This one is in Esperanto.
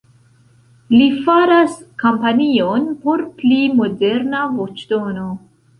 Li faras kampanjon por pli moderna voĉdono.